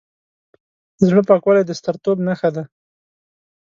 د زړه پاکوالی د سترتوب نښه ده.